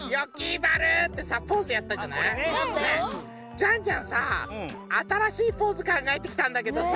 ジャンジャンさあたらしいポーズかんがえてきたんだけどさ。